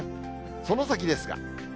その先ですが。